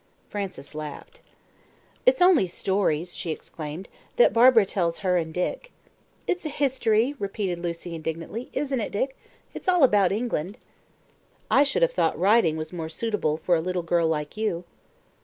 Frances laughed. "It's only stories," she exclaimed, "that Barbara tells her and Dick." "It's history," repeated Lucy indignantly; "isn't it, Dick? It's all about England." "I should have thought writing was more suitable for a little girl like you."